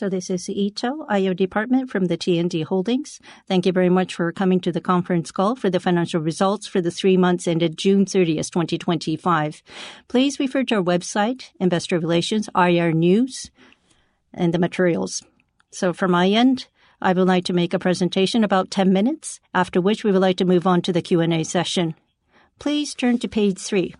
This is Ito. I am your department from T&D Holdings. Thank you very much for coming to the conference call for the financial results for the three months ended June 30, 2025. Please refer to our website, Investor Relations IR News, and the materials. From my end, I would like to make a presentation about 10 minutes, after which we would like to move on to the Q&A session. Please turn to page 3.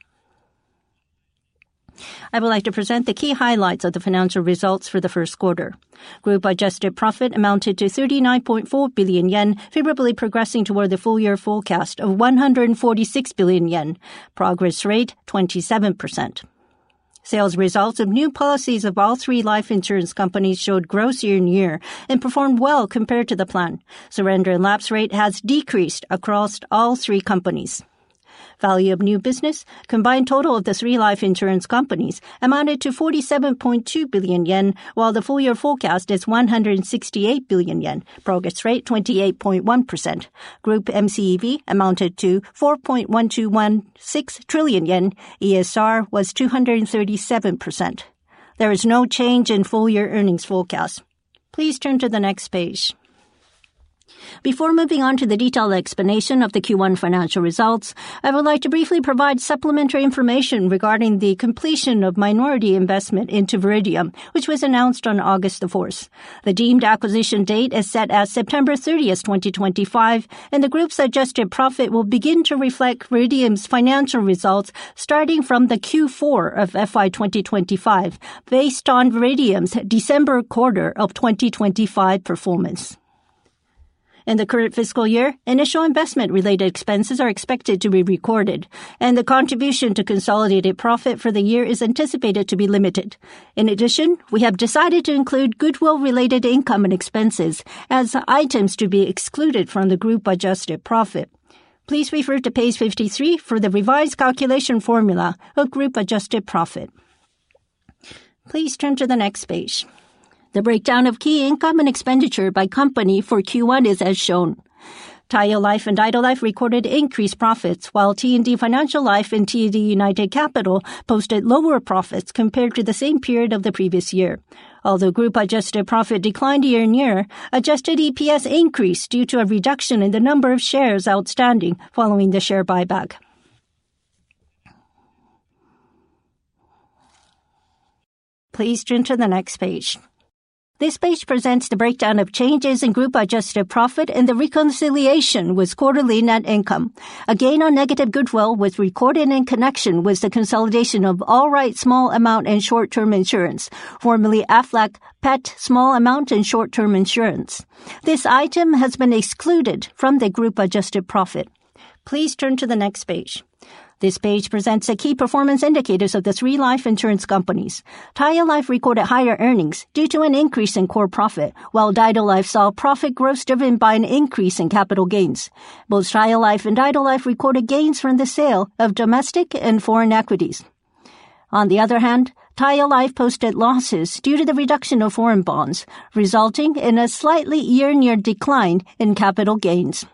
I would like to present the key highlights of the financial results for the first quarter. Group adjusted profit amounted to 39.4 billion yen, favorably progressing toward the full-year forecast of 146 billion yen. Progress rate: 27%. Sales results of new policies of all three life insurance companies showed growth year-on-year and performed well compared to the plan. Surrender and lapse rate has decreased across all three companies. Value of new business, combined total of the three life insurance companies, amounted to 47.2 billion yen, while the full-year forecast is 168 billion yen. Progress rate: 28.1%. Group MCEV amounted to 4.1216 trillion yen. ESR was 237%. There is no change in full-year earnings forecast. Please turn to the next page. Before moving on to the detailed explanation of the Q1 financial results, I would like to briefly provide supplementary information regarding the completion of minority investment into Veridium, which was announced on August 4. The deemed acquisition date is set as September 30, 2025, and the group's adjusted profit will begin to reflect Veridium's financial results starting from the Q4 of FY 2025, based on Veridium's December quarter of 2025 performance. In the current fiscal year, initial investment-related expenses are expected to be recorded, and the contribution to consolidated profit for the year is anticipated to be limited. In addition, we have decided to include goodwill-related income and expenses as items to be excluded from the group adjusted profit. Please refer to page 53 for the revised calculation formula of group adjusted profit. Please turn to the next page. The breakdown of key income and expenditure by company for Q1 is as shown. Taiyo Life and Daido Life recorded increased profits, while T&D Financial Life and T&D United Capital posted lower profits compared to the same period of the previous year. Although group adjusted profit declined year-on-year, adjusted EPS increased due to a reduction in the number of shares outstanding following the share buyback. Please turn to the next page. This page presents the breakdown of changes in group adjusted profit and the reconciliation with quarterly net income. A gain on negative goodwill was recorded in connection with the consolidation of All Rights Small Amount and Short-Term Insurance, formerly Aflac PET Small Amount and Short-Term Insurance. This item has been excluded from the group adjusted profit. Please turn to the next page. This page presents the key performance indicators of the three life insurance companies. Taiyo Life recorded higher earnings due to an increase in core profit, while Daido Life saw profit growth driven by an increase in capital gains. Both Taiyo Life and Daido Life recorded gains from the sale of domestic and foreign equities. On the other hand, Taiyo Life posted losses due to the reduction of foreign bonds, resulting in a slight year-on-year decline in capital gains.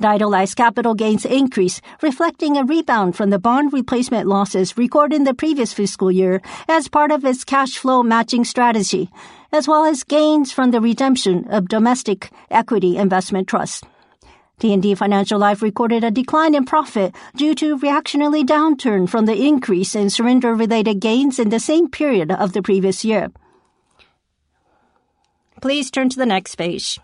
Daido Life's capital gains increased, reflecting a rebound from the bond replacement losses recorded in the previous fiscal year as part of its cash flow matching strategy, as well as gains from the redemption of domestic equity investment trust. T&D Financial Life recorded a decline in profit due to a reactionary downturn from the increase in surrender-related gains in the same period of the previous year. Please turn to the next page.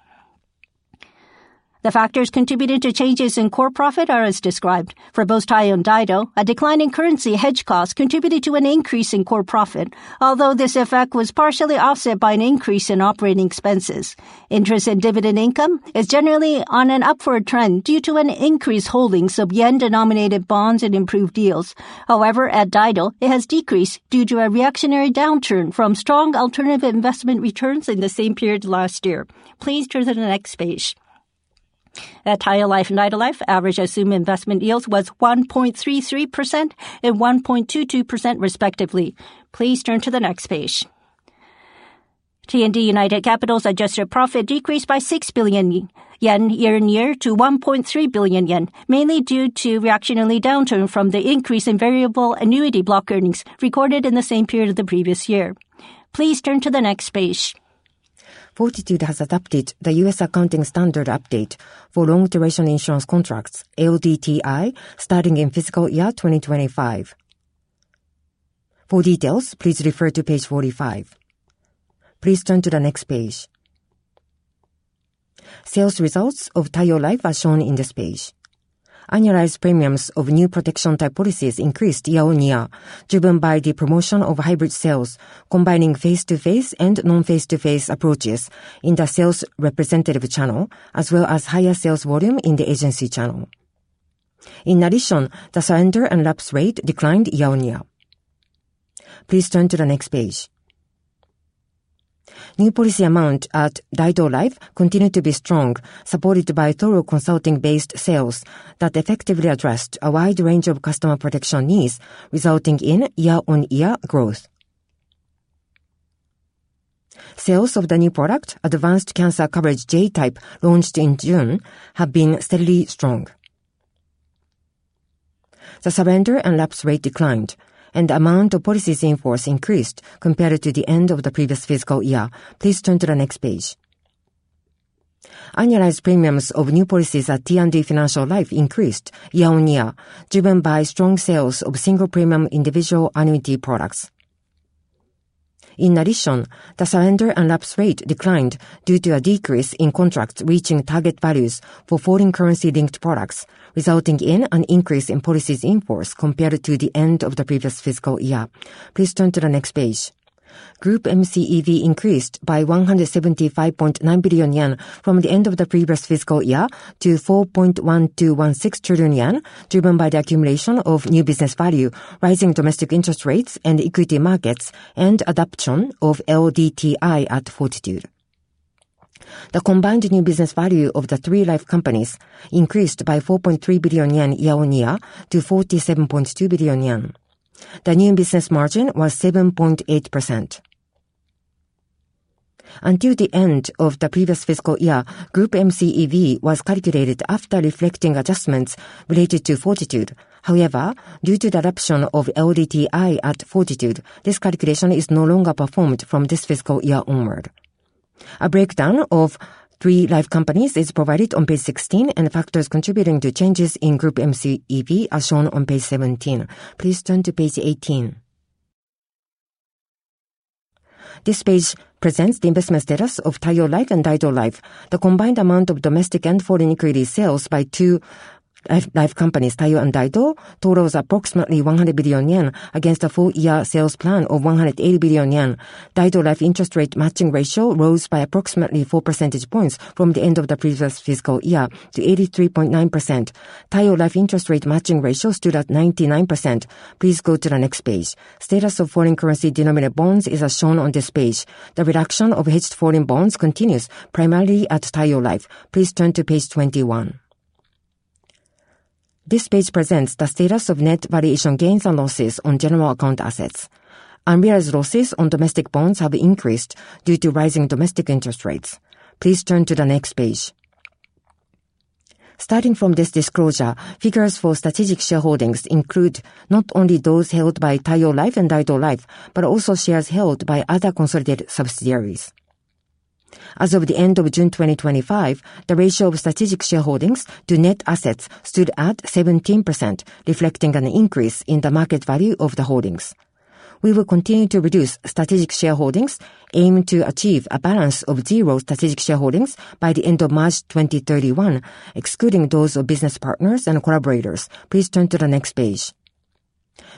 The factors contributing to changes in core profit are as described. For both Taiyo and Daido, a decline in currency hedge costs contributed to an increase in core profit, although this effect was partially offset by an increase in operating expenses. Interest and dividend income is generally on an upward trend due to increased holdings of yen-denominated bonds and improved yields. However, at Daido, it has decreased due to a reactionary downturn from strong alternative investment returns in the same period last year. Please turn to the next page. At Taiyo Life and Daido Life, average assumed investment yields were 1.33% and 1.22%, respectively. Please turn to the next page. T&D United Capital's adjusted profit decreased by 6 billion yen year-on-year to 1.3 billion yen, mainly due to a reactionary downturn from the increase in variable annuity block earnings recorded in the same period of the previous year. Please turn to the next page. Fortitude has adopted the U.S. Accounting Standard Update for Long Duration Insurance Contracts, LDTI, starting in fiscal year 2025. For details, please refer to page 45. Please turn to the next page. Sales results of Taiyo Life are shown on this page. Annualized premiums of new protection-type policies increased year-on-year, driven by the promotion of hybrid sales, combining face-to-face and non-face-to-face approaches in the sales representative channel, as well as higher sales volume in the agency channel. In addition, the surrender and lapse rate declined year-on-year. Please turn to the next page. New policy amount at Daido Life continued to be strong, supported by thorough consulting-based sales that effectively addressed a wide range of customer protection needs, resulting in year-on-year growth. Sales of the new product, Advanced Cancer Coverage J Type, launched in June, have been steadily strong. The surrender and lapse rate declined, and the amount of policies in force increased compared to the end of the previous fiscal year. Please turn to the next page. Annualized premiums of new policies at T&D Financial Life increased year-on-year, driven by strong sales of single-premium individual annuity products. In addition, the surrender and lapse rate declined due to a decrease in contracts reaching target values for foreign currency-linked products, resulting in an increase in policies in force compared to the end of the previous fiscal year. Please turn to the next page. Group MCEV increased by 175.9 billion yen from the end of the previous fiscal year to 4.1216 trillion yen, driven by the accumulation of new business value, rising domestic interest rates in equity markets, and adoption of LDTI at Fortitude. The combined new business value of the three life companies increased by 4.3 billion yen year-on-year to 47.2 billion yen. The new business margin was 7.8%. Until the end of the previous fiscal year, group MCEV was calculated after reflecting adjustments related to Fortitude. However, due to the adoption of LDTI at Fortitude, this calculation is no longer performed from this fiscal year onward. A breakdown of the three life companies is provided on page 16, and the factors contributing to changes in group MCEV are shown on page 17. Please turn to page 18. This page presents the investment status of Taiyo Life and Daido Life. The combined amount of domestic and foreign equity sales by two life companies, Taiyo Life and Daido Life, totals approximately 100 billion yen against a full-year sales plan of 180 billion yen. The Daido Life interest rate matching ratio rose by approximately 4% from the end of the previous fiscal year to 83.9%. Taiyo Life interest rate matching ratio stood at 99%. Please go to the next page. Status of foreign currency-linked products is as shown on this page. The reduction of hedged foreign bonds continues, primarily at Taiyo Life. Please turn to page 21. This page presents the status of net valuation gains and losses on general account assets. Unrealized losses on domestic bonds have increased due to rising domestic interest rates. Please turn to the next page. Starting from this disclosure, figures for strategic shareholdings include not only those held by Taiyo Life and Daido Life, but also shares held by other consolidated subsidiaries. As of the end of June 2025, the ratio of strategic shareholdings to net assets stood at 17%, reflecting an increase in the market value of the holdings. We will continue to reduce strategic shareholdings, aiming to achieve a balance of zero strategic shareholdings by the end of March 2031, excluding those of business partners and collaborators. Please turn to the next page.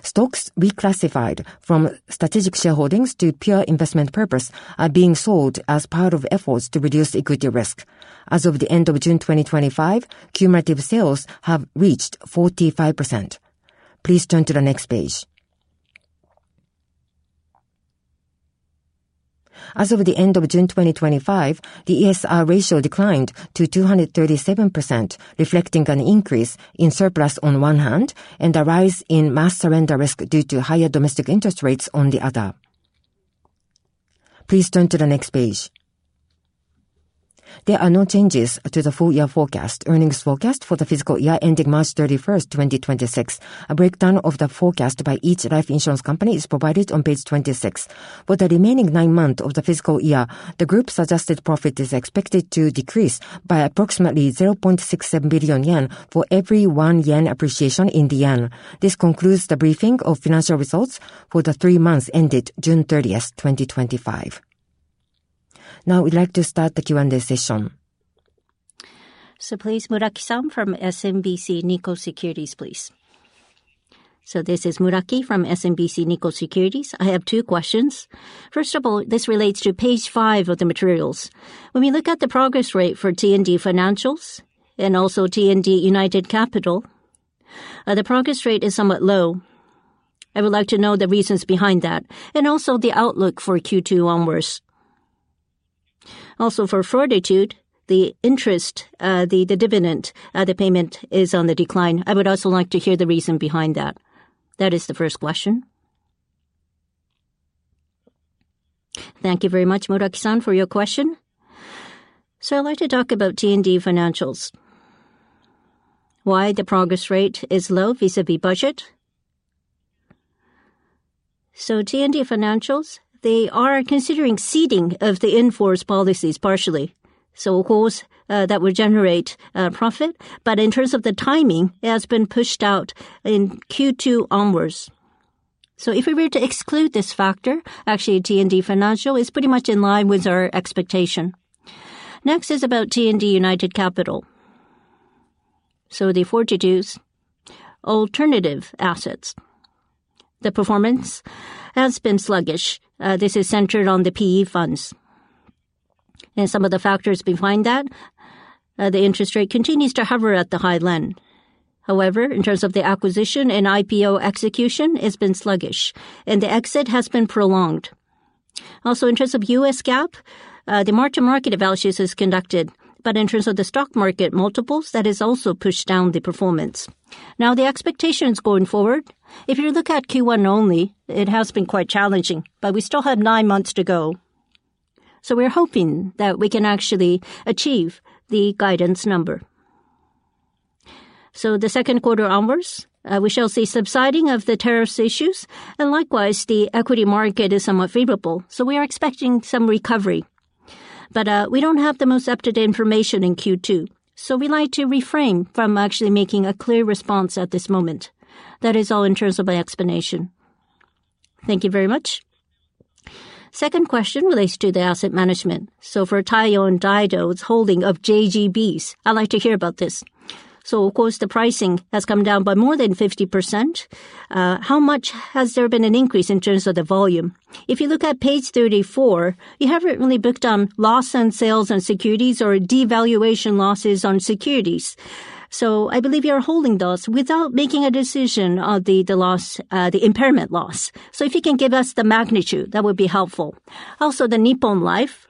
Stocks reclassified from strategic shareholdings to pure investment purpose are being sold as part of efforts to reduce equity risk. As of the end of June 2025, cumulative sales have reached 45%. Please turn to the next page. As of the end of June 2025, the ESR ratio declined to 237%, reflecting an increase in surplus on one hand and a rise in mass surrender risk due to higher domestic interest rates on the other. Please turn to the next page. There are no changes to the full-year forecast. Earnings forecast for the fiscal year ending March 31, 2026. A breakdown of the forecast by each life insurance company is provided on page 26. For the remaining nine months of the fiscal year, the group's adjusted profit is expected to decrease by approximately 0.67 billion yen for every 1 yen appreciation in the yen. This concludes the briefing of financial results for the three months ended June 30, 2025. Now, we'd like to start the Q&A session. Please, Muraki-san from SMBC Nikko Securities, please. This is Muraki from SMBC Nikko Securities. I have two questions. First of all, this relates to page 5 of the materials. When we look at the progress rate for T&D Financial Life and also T&D United Capital, the progress rate is somewhat low. I would like to know the reasons behind that and also the outlook for Q2 onwards. Also, for Fortitude, the interest, the dividend, the payment is on the decline. I would also like to hear the reason behind that. That is the first question. Thank you very much, Muraki-san, for your question. I'd like to talk about T&D Financial Life. Why the progress rate is low vis-à-vis budget. T&D Financial Life, they are considering seeding of the in-force policies partially. Of course, that would generate profit, but in terms of the timing, it has been pushed out in Q2 onwards. If we were to exclude this factor, actually, T&D Financial Life is pretty much in line with our expectation. Next is about T&D United Capital. The Fortitude's alternative assets, the performance has been sluggish. This is centered on the private equity funds. Some of the factors behind that, the interest rate continues to hover at the high line. However, in terms of the acquisition and IPO execution, it's been sluggish, and the exit has been prolonged. In terms of US GAAP, the mark-to-market analysis is conducted, but in terms of the stock market multiples, that has also pushed down the performance. The expectations going forward, if you look at Q1 only, it has been quite challenging, but we still have nine months to go. We're hoping that we can actually achieve the guidance number. The second quarter onwards, we shall see subsiding of the tariffs issues, and likewise, the equity market is somewhat favorable. We are expecting some recovery, but we don't have the most up-to-date information in Q2. We'd like to refrain from actually making a clear response at this moment. That is all in terms of my explanation. Thank you very much. Second question relates to the asset management. For Taiyo and Daido's holding of JGBs, I'd like to hear about this. Of course, the pricing has come down by more than 50%. How much has there been an increase in terms of the volume? If you look at page 34, you have it really booked on loss and sales on securities or devaluation losses on securities. I believe you are holding those without making a decision on the loss, the impairment loss. If you can give us the magnitude, that would be helpful. Also, Nippon Life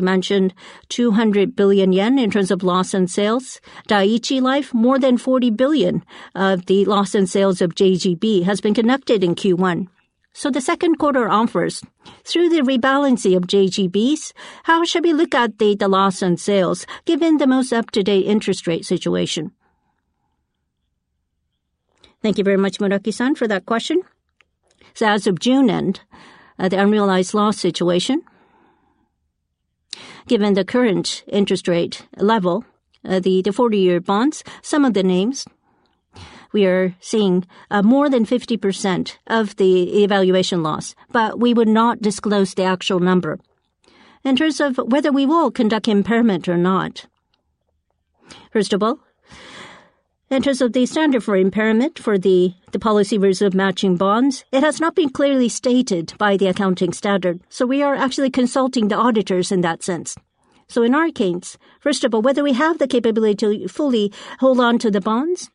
mentioned 200 billion yen in terms of loss and sales. Daiichi Life, more than 40 billion of the loss and sales of JGB has been conducted in Q1. The second quarter onwards, through the rebalancing of JGBs, how should we look at the loss and sales given the most up-to-date interest rate situation? Thank you very much, Muraki-san, for that question. As of June end, the unrealized loss situation, given the current interest rate level, the 40-year bonds, some of the names, we are seeing more than 50% of the evaluation loss, but we would not disclose the actual number. In terms of whether we will conduct impairment or not, first of all, in terms of the standard for impairment for the policy risk of matching bonds, it has not been clearly stated by the accounting standard. We are actually consulting the auditors in that sense. In our case, first of all, whether we have the capability to fully hold on to the bonds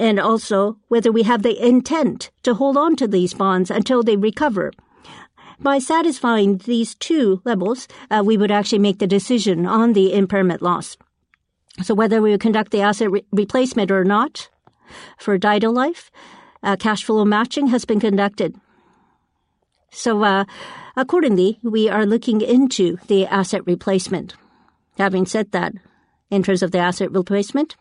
and also whether we have the intent to hold on to these bonds until they recover. By satisfying these two levels, we would actually make the decision on the impairment loss. Whether we conduct the asset replacement or not for Daido Life, cash flow matching has been conducted. Accordingly, we are looking into the asset replacement. Having said that, in terms of the asset replacement,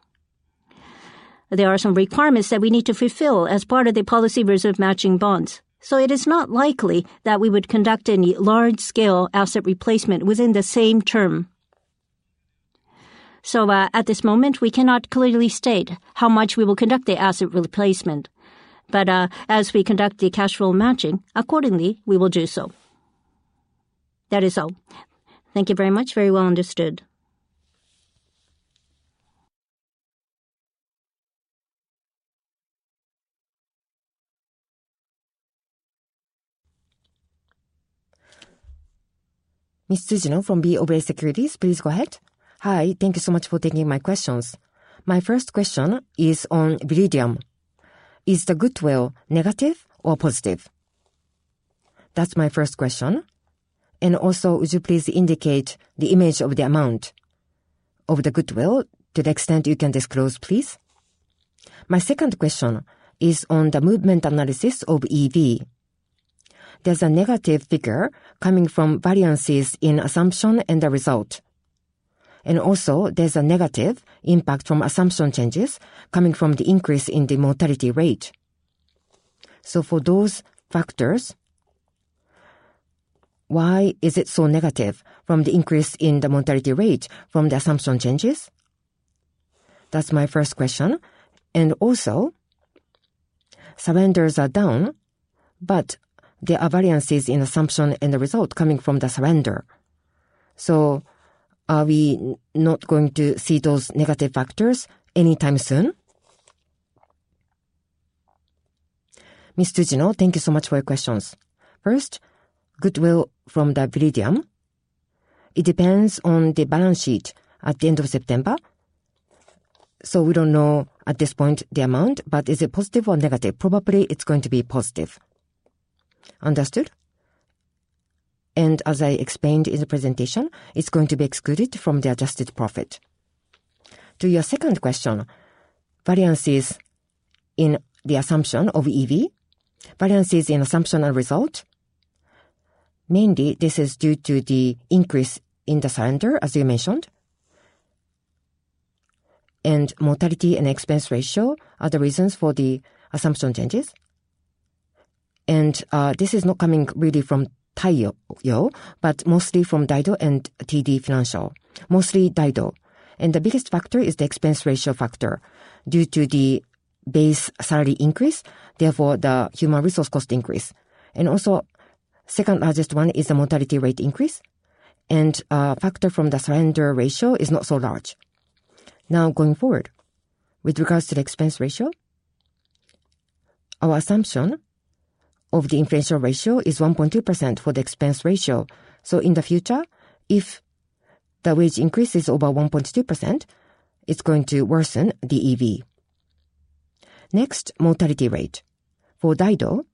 there are some requirements that we need to fulfill as part of the policy risk of matching bonds. It is not likely that we would conduct any large-scale asset replacement within the same term. At this moment, we cannot clearly state how much we will conduct the asset replacement, but as we conduct the cash flow matching, accordingly, we will do so. That is all. Thank you very much. Very well understood. Hi, thank you so much for taking my questions. My first question is on Veridium. Is the goodwill negative or positive? That's my first question. Also, would you please indicate the image of the amount of the goodwill to the extent you can disclose, please? My second question is on the movement analysis of EV. There's a negative figure coming from variances in assumption and the result. Also, there's a negative impact from assumption changes coming from the increase in the mortality rate. For those factors, why is it so negative from the increase in the mortality rate from the assumption changes? That's my first question. Also, surrenders are down, but there are variances in assumption and the result coming from the surrender. Are we not going to see those negative factors anytime soon? Thank you so much for your questions. First, goodwill from Veridium depends on the balance sheet at the end of September. We don't know at this point the amount, but is it positive or negative? Probably it's going to be positive. Understood? As I explained in the presentation, it's going to be excluded from the adjusted profit. To your second question, variances in the assumption of EV, variances in assumption and result, mainly this is due to the increase in the surrender, as you mentioned. Mortality and expense ratio are the reasons for the assumption changes. This is not coming really from Taiyo Life, but mostly from Daido Life and T&D Financial Life. Mostly Daido Life. The biggest factor is the expense ratio factor due to the base salary increase, therefore the human resource cost increase. Also, the second largest one is the mortality rate increase. The factor from the surrender ratio is not so large. Now, going forward, with regards to the expense ratio, our assumption of the inflation ratio is 1.2% for the expense ratio. In the future, if the wage increase is over 1.2%, it's going to worsen the EV. Next, mortality rate. For Daido Life,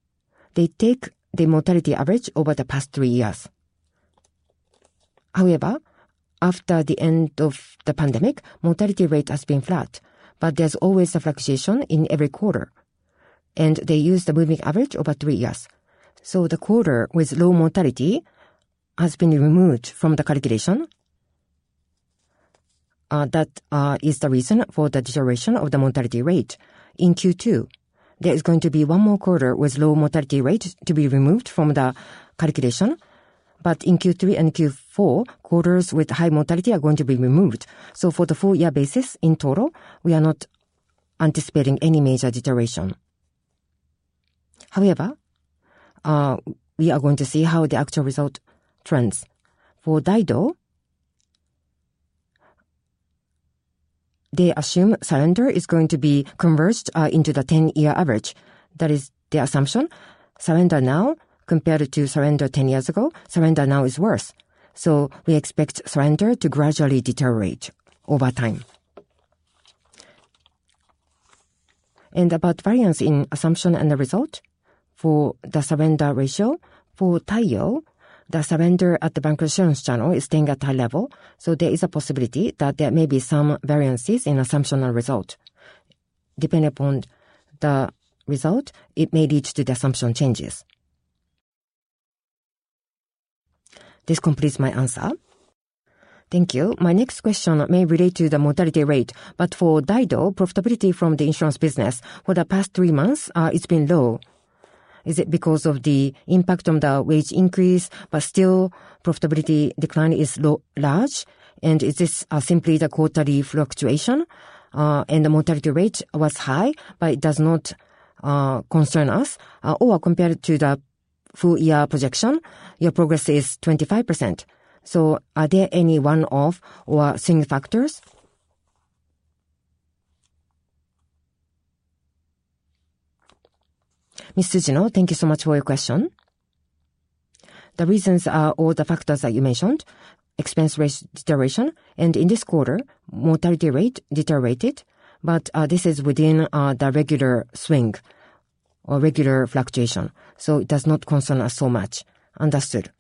they take the mortality average over the past three years. However, after the end of the pandemic, mortality rate has been flat, but there's always a fluctuation in every quarter. They use the moving average over three years. The quarter with low mortality has been removed from the calculation. That is the reason for the deterioration of the mortality rate. In Q2, there is going to be one more quarter with low mortality rate to be removed from the calculation, but in Q3 and Q4, quarters with high mortality are going to be removed. For the four-year basis in total, we are not anticipating any major deterioration. However, we are going to see how the actual result trends. For Daido Life, they assume surrender is going to be converged into the 10-year average. That is the assumption. Surrender now compared to surrender 10 years ago, surrender now is worse. We expect surrender to gradually deteriorate over time. About variance in assumption and the result for the surrender ratio, for Taiyo Life, the surrender at the bank assurance channel is staying at a high level. There is a possibility that there may be some variances in assumption and result. Depending upon the result, it may lead to the assumption changes. This completes my answer. Thank you. My next question may relate to the mortality rate, but for Daido Life, profitability from the insurance business for the past three months has been low. Is it because of the impact on the wage increase, but still profitability decline is large? Is this simply the quarterly fluctuation? The mortality rate was high, but it does not concern us. Compared to the full-year projection, your progress is 25%. Are there any one-off or swing factors? Ms. Suzino, thank you so much for your question. The reasons are all the factors that you mentioned, expense rate, deterioration, and in this quarter, mortality rate deteriorated, but this is within the regular swing or regular fluctuation. It does not concern us so much. Understood.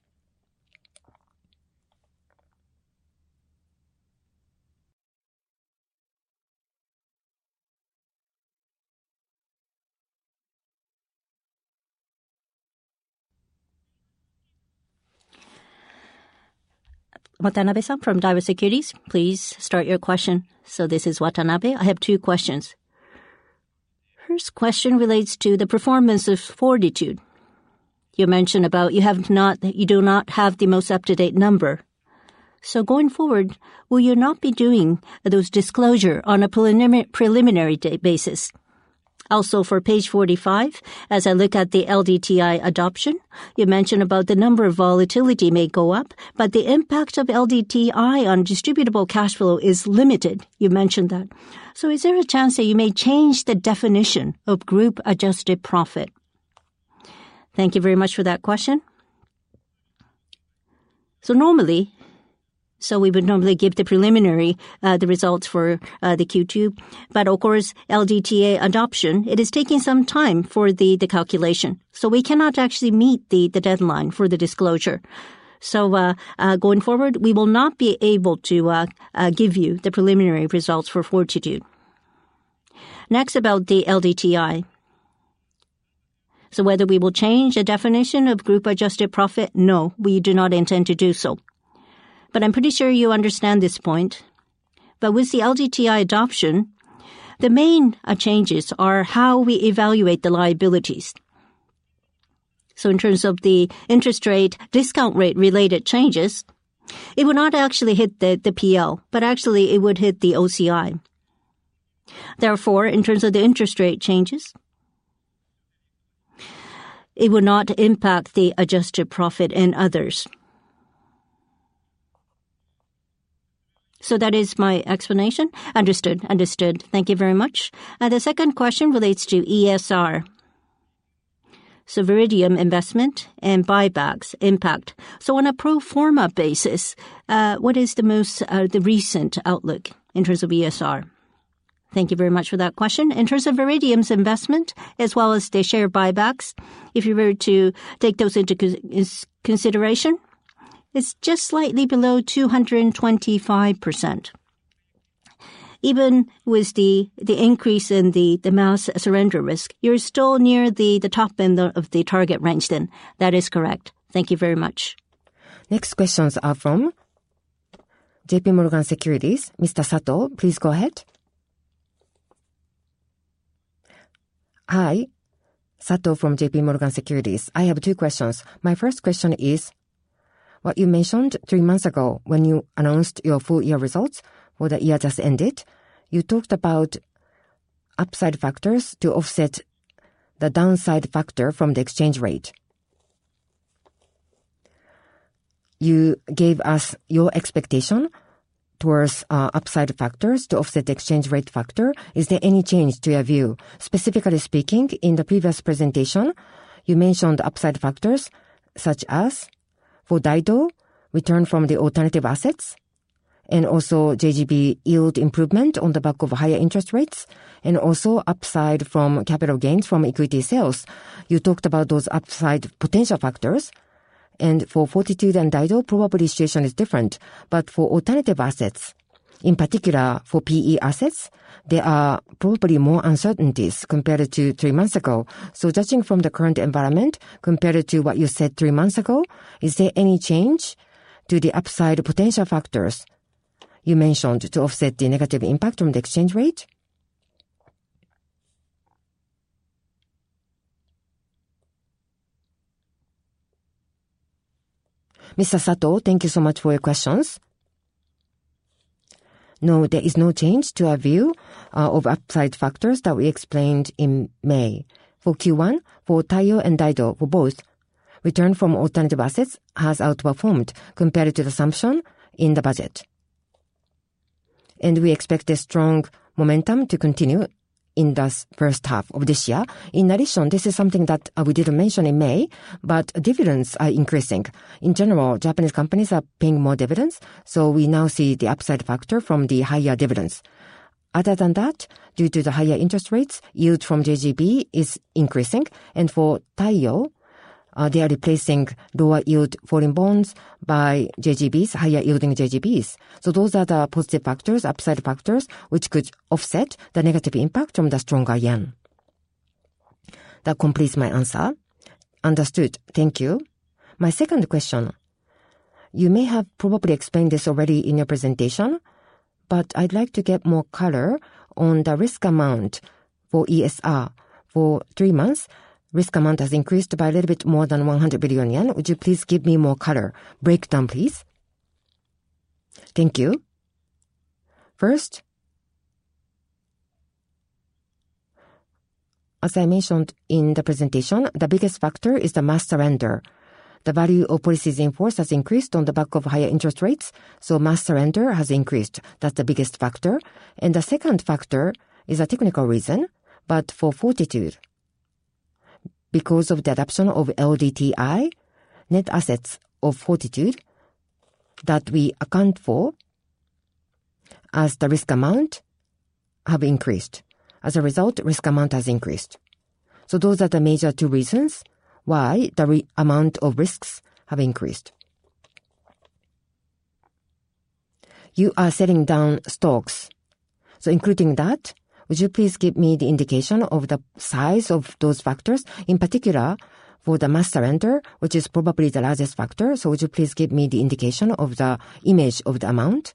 Watanabe-san from Daiwa Securities, please start your question. This is Watanabe. I have two questions. First question relates to the performance of Fortitude. You mentioned you do not have the most up-to-date number. Going forward, will you not be doing those disclosures on a preliminary basis? Also, for page 45, as I look at the LDTI adoption, you mentioned the number of volatility may go up, but the impact of LDTI on distributable cash flow is limited. You mentioned that. Is there a chance that you may change the definition of group adjusted profit? Thank you very much for that question. Normally, we would give the preliminary results for Q2. Of course, LDTI adoption is taking some time for the calculation. We cannot actually meet the deadline for the disclosure. Going forward, we will not be able to give you the preliminary results for Fortitude. Next, about the LDTI. Whether we will change the definition of group adjusted profit, no, we do not intend to do so. I'm pretty sure you understand this point. With the LDTI adoption, the main changes are how we evaluate the liabilities. In terms of the interest rate, discount rate-related changes, it would not actually hit the PL, but actually it would hit the OCI. Therefore, in terms of the interest rate changes, it would not impact the adjusted profit and others. That is my explanation. Understood. Understood. Thank you very much. The second question relates to ESR. Veridium investment and buybacks impact. On a pro forma basis, what is the most recent outlook in terms of ESR? Thank you very much for that question. In terms of Veridium's investment, as well as the share buybacks, if you were to take those into consideration, it's just slightly below 225%. Even with the increase in the mass surrender risk, you're still near the top end of the target range, then. That is correct. Thank you very much. Next questions are from JPMorgan Securities. Mr. Sato, please go ahead. Hi, Sato from JPMorgan Securities. I have two questions. My first question is, what you mentioned three months ago when you announced your full-year results for the year that's ended, you talked about upside factors to offset the downside factor from the exchange rate. You gave us your expectation towards upside factors to offset the exchange rate factor. Is there any change to your view? Specifically speaking, in the previous presentation, you mentioned upside factors such as for Daido Life, return from the alternative assets, and also JGB yield improvement on the back of higher interest rates, and also upside from capital gains from equity sales. You talked about those upside potential factors. For Fortitude and Daido Life, probably the situation is different. For alternative assets, in particular for private equity assets, there are probably more uncertainties compared to three months ago. Judging from the current environment compared to what you said three months ago, is there any change to the upside potential factors you mentioned to offset the negative impact from the exchange rate? Mr. Sato, thank you so much for your questions. No, there is no change to our view of upside factors that we explained in May. For Q1, for Taiyo Life and Daido Life, for both, return from alternative assets has outperformed compared to the assumption in the budget. We expect a strong momentum to continue in the first half of this year. In addition, this is something that we didn't mention in May, but dividends are increasing. In general, Japanese companies are paying more dividends, so we now see the upside factor from the higher dividends. Other than that, due to the higher interest rates, yield from JGB is increasing. For Taiyo Life, they are replacing lower yield foreign bonds by JGBs, higher yielding JGBs. Those are the positive factors, upside factors, which could offset the negative impact from the stronger yen. That completes my answer. Understood. Thank you. My second question, you may have probably explained this already in your presentation, but I'd like to get more color on the risk amount for ESR. For three months, risk amount has increased by a little bit more than 100 billion yen. Would you please give me more color? Breakdown, please. Thank you. First, as I mentioned in the presentation, the biggest factor is the mass surrender. The value of policies in force has increased on the back of higher interest rates, so mass surrender has increased. That's the biggest factor. The second factor is a technical reason, but for Fortitude, because of the adoption of LDTI, net assets of Fortitude that we account for as the risk amount have increased. As a result, risk amount has increased. Those are the major two reasons why the amount of risks have increased. You are selling down stocks. Including that, would you please give me the indication of the size of those factors? In particular, for the mass surrender, which is probably the largest factor, would you please give me the indication of the image of the amount?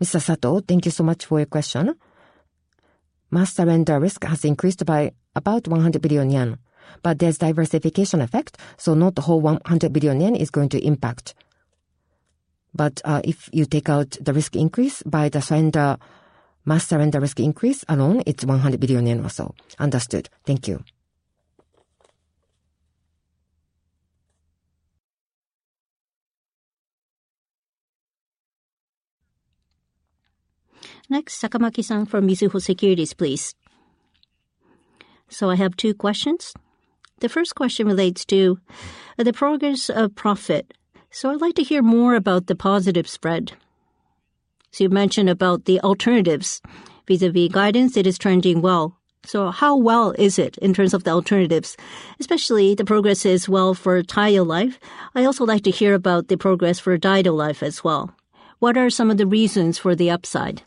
Mr. Sato, thank you so much for your question. Mass surrender risk has increased by about 100 billion yen, but there's a diversification effect, so not the whole 100 billion yen is going to impact. If you take out the risk increase by the mass surrender risk increase alone, it's 100 billion yen or so. Understood. Thank you. Next, Sakamaki-san from Mizuho Securities, please. I have two questions. The first question relates to the progress of profit. I'd like to hear more about the positive spread. You mentioned the alternatives vis-à-vis guidance. It is trending well. How well is it in terms of the alternatives? Especially the progress is well for Taiyo Life. I'd also like to hear about the progress for Daido Life as well. What are some of the reasons for the upside?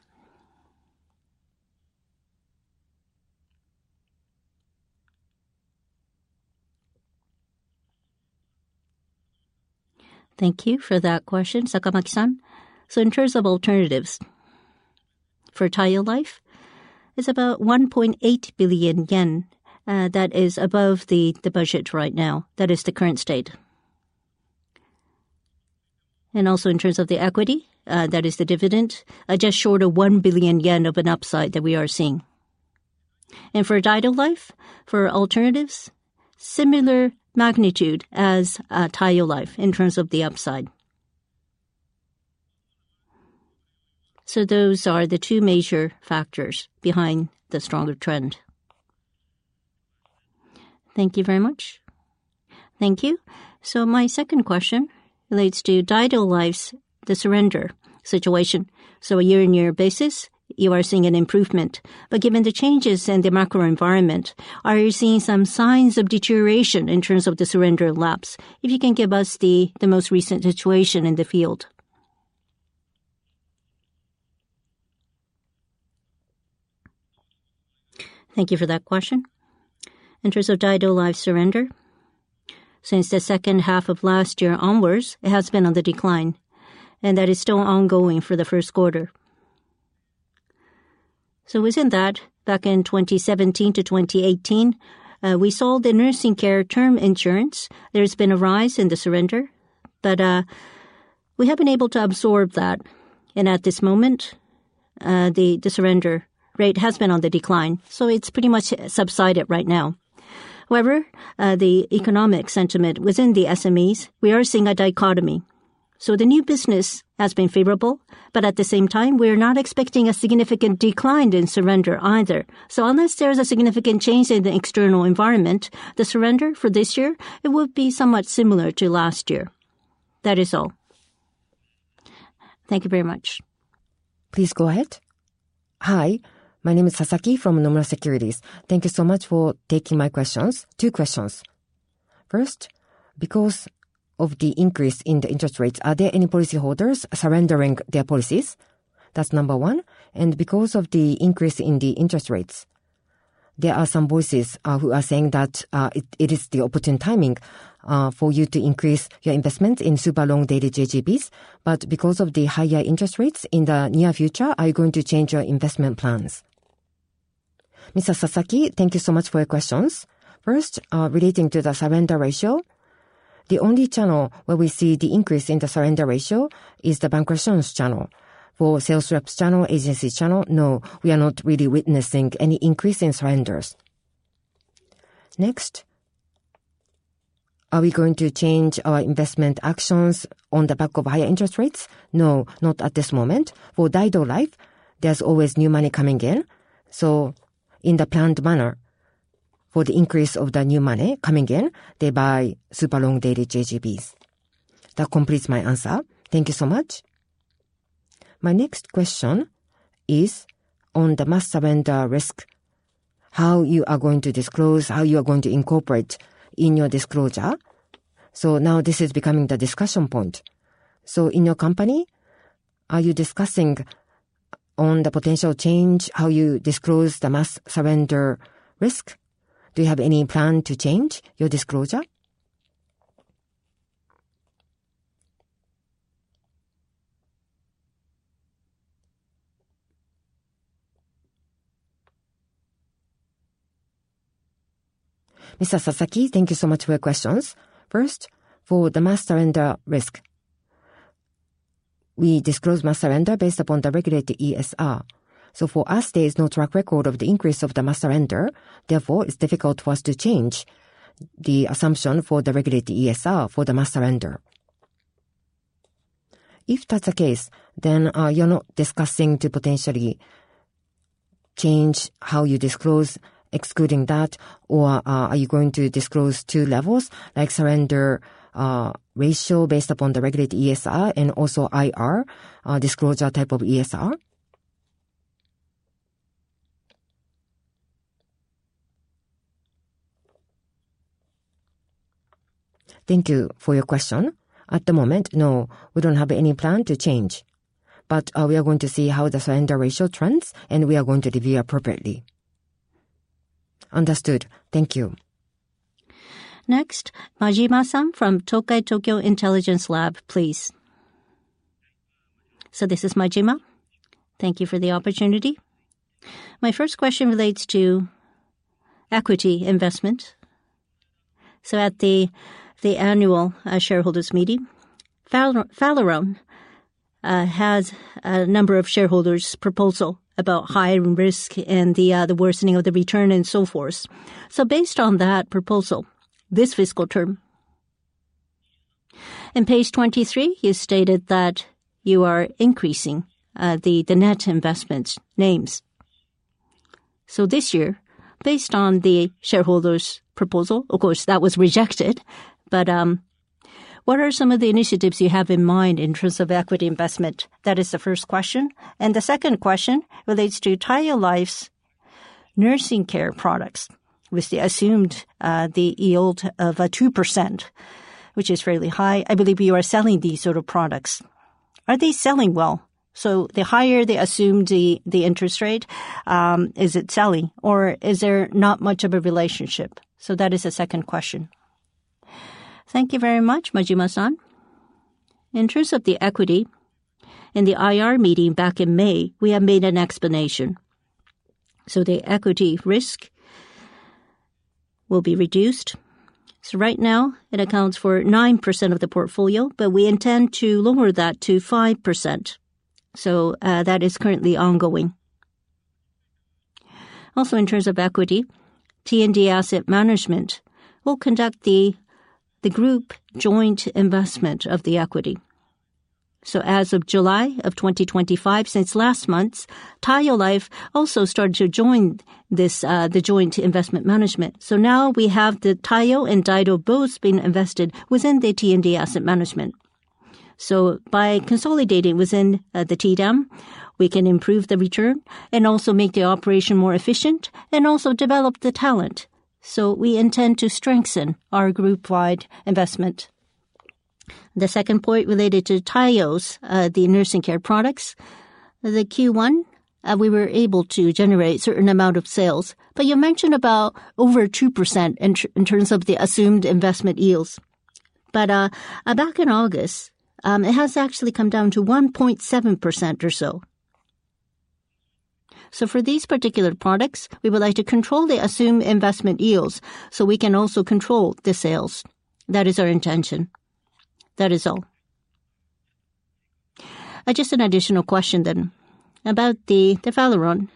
Thank you for that question, Sakamaki-san. In terms of alternatives for Taiyo Life, it's about 1.8 billion yen. That is above the budget right now. That is the current state. In terms of the equity, that is the dividend, just short of 1 billion yen of an upside that we are seeing. For Daido Life, for alternatives, similar magnitude as Taiyo Life in terms of the upside. Those are the two major factors behind the stronger trend. Thank you very much. Thank you. My second question relates to Daido Life's surrender situation. On a year-on-year basis, you are seeing an improvement. Given the changes in the macro environment, are you seeing some signs of deterioration in terms of the surrender and lapse? If you can give us the most recent situation in the field. Thank you for that question. In terms of Daido Life's surrender, since the second half of last year onwards, it has been on the decline. That is still ongoing for the first quarter. Within that, back in 2017 to 2018, we saw the nursing care term insurance. There's been a rise in the surrender, but we have been able to absorb that. At this moment, the surrender rate has been on the decline. It's pretty much subsided right now. However, the economic sentiment within the SMEs, we are seeing a dichotomy. The new business has been favorable, but at the same time, we're not expecting a significant decline in surrender either. Unless there's a significant change in the external environment, the surrender for this year will be somewhat similar to last year. That is all. Thank you very much. Please go ahead. Hi, my name is Sasaki from Nomura Securities. Thank you so much for taking my questions. Two questions. First, because of the increase in the interest rates, are there any policyholders surrendering their policies? That's number one. Because of the increase in the interest rates, there are some voices who are saying that it is the opportune timing for you to increase your investments in super long-dated JGBs. Because of the higher interest rates in the near future, are you going to change your investment plans? Mr. Sasaki, thank you so much for your questions. First, relating to the surrender ratio, the only channel where we see the increase in the surrender ratio is the bank assurance channel. For the sales reps channel and agency channel, no, we are not really witnessing any increase in surrenders. Next, are we going to change our investment actions on the back of higher interest rates? No, not at this moment. For Daido Life, there's always new money coming in. In a planned manner, for the increase of the new money coming in, they buy super long-dated JGBs. That completes my answer. Thank you so much. My next question is on the mass surrender risk, how you are going to disclose, how you are going to incorporate in your disclosure. Now this is becoming the discussion point. In your company, are you discussing the potential change, how you disclose the mass surrender risk? Do you have any plan to change your disclosure? Mr. Sasaki, thank you so much for your questions. First, for the mass surrender risk, we disclose mass surrender based upon the regulated ESR. For us, there is no track record of the increase of the mass surrender. Therefore, it's difficult for us to change the assumption for the regulated ESR for the mass surrender. If that's the case, then you're not discussing to potentially change how you disclose, excluding that, or are you going to disclose two levels, like surrender ratio based upon the regulated ESR and also IR disclosure type of ESR? Thank you for your question. At the moment, no, we don't have any plan to change. We are going to see how the surrender ratio trends, and we are going to review appropriately. Understood. Thank you. Next, Majima-san from Tokai Tokyo Intelligence Lab, please. This is Majima. Thank you for the opportunity. My first question relates to equity investment. At the annual shareholders' meeting, Falleron has a number of shareholders' proposals about higher risk and the worsening of the return and so forth. Based on that proposal, this fiscal term, in page 23, you stated that you are increasing the net investment names. This year, based on the shareholders' proposal, of course, that was rejected. What are some of the initiatives you have in mind in terms of equity investment? That is the first question. The second question relates to Taiyo Life's nursing care products, which they assumed the yield of 2%, which is fairly high. I believe you are selling these sort of products. Are they selling well? The higher they assume the interest rate, is it selling? Or is there not much of a relationship? That is a second question. Thank you very much, Majima-san. In terms of the equity, in the IR meeting back in May, we have made an explanation. The equity risk will be reduced. Right now, it accounts for 9% of the portfolio, but we intend to lower that to 5%. That is currently ongoing. Also, in terms of equity, T&D Asset Management will conduct the group joint investment of the equity. As of July 2025, since last month, Taiyo Life also started to join the joint investment management. Now we have the Taiyo and Daido both being invested within the T&D Asset Management. By consolidating within the T&D Asset Management, we can improve the return and also make the operation more efficient and also develop the talent. We intend to strengthen our group-wide investment. The second point related to Taiyo's nursing care products, the Q1, we were able to generate a certain amount of sales. You mentioned about over 2% in terms of the assumed investment yields. Back in August, it has actually come down to 1.7% or so. For these particular products, we would like to control the assumed investment yields so we can also control the sales. That is our intention. That is all. Just an additional question then about the Falleron.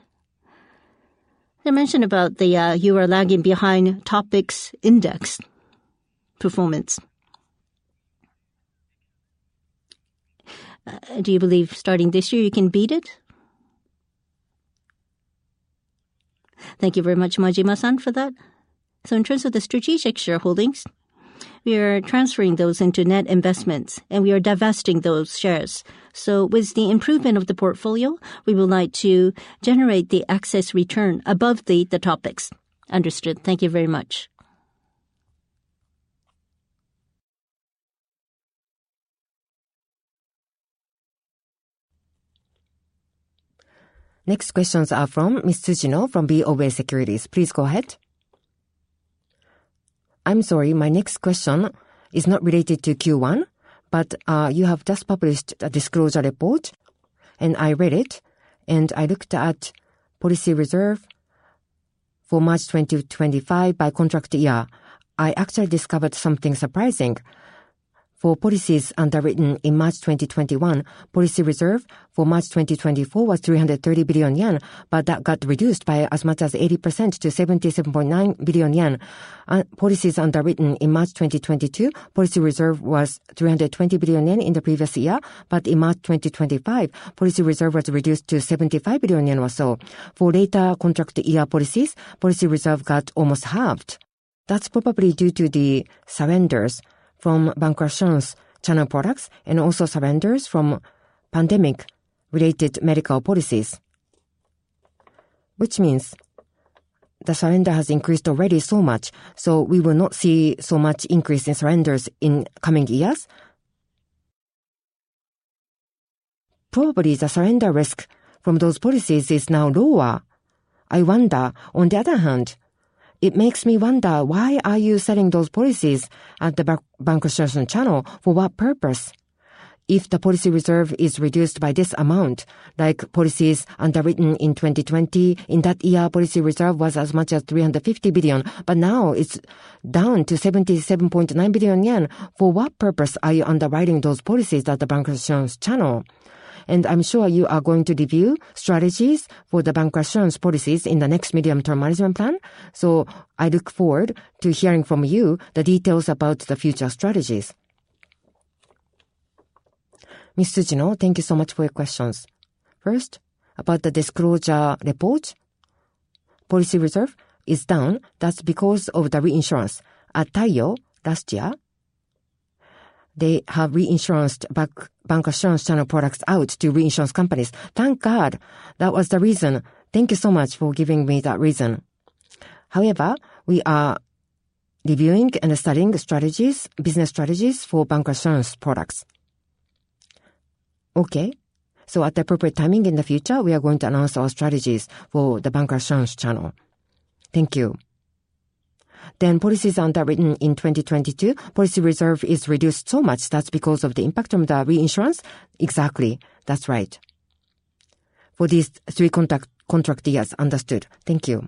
They mentioned about you are lagging behind TOPIX Index performance. Do you believe starting this year you can beat it? Thank you very much, Majima-san, for that. In terms of the strategic shareholdings, we are transferring those into net investments, and we are divesting those shares. With the improvement of the portfolio, we would like to generate the excess return above the TOPIX. Understood. Thank you very much. Next questions are from Ms. Suzino from DOB Securities. Please go ahead. I'm sorry, my next question is not related to Q1, but you have just published a disclosure report, and I read it, and I looked at policy reserve for March 2025 by contract year. I actually discovered something surprising. For policies underwritten in March 2021, policy reserve for March 2024 was 330 billion yen, but that got reduced by as much as 80% to 77.9 billion yen. Policies underwritten in March 2022, policy reserve was 320 billion yen in the previous year, but in March 2025, policy reserve was reduced to 75 billion yen or so. For later contract year policies, policy reserve got almost halved. That's probably due to the surrenders from bank assurance channel products and also surrenders from pandemic-related medical policies, which means the surrender has increased already so much. We will not see so much increase in surrenders in coming years. Probably the surrender risk from those policies is now lower. I wonder, on the other hand, it makes me wonder why are you selling those policies at the bank assurance channel? For what purpose? If the policy reserve is reduced by this amount, like policies underwritten in 2020, in that year, policy reserve was as much as 350 billion, but now it's down to 77.9 billion yen. For what purpose are you underwriting those policies at the bank assurance channel? I'm sure you are going to review strategies for the bank assurance policies in the next medium-term management plan. I look forward to hearing from you the details about the future strategies. Ms. Suzino, thank you so much for your questions. First, about the disclosure report, policy reserve is down. That's because of the reinsurance. At Taiyo Life, last year, they have reinsured bank assurance channel products out to reinsurance companies. That was the reason. Thank you so much for giving me that reason. However, we are reviewing and studying strategies, business strategies for bank assurance products. At the appropriate timing in the future, we are going to announce our strategies for the bank assurance channel. Thank you. Policies underwritten in 2022, policy reserve is reduced so much. That's because of the impact from the reinsurance? Exactly. That's right. For these three contract years. Understood. Thank you.